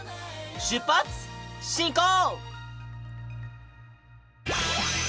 出発進行！